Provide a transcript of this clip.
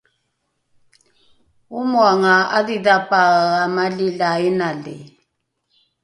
omoanga ’adhidhapae amali la inali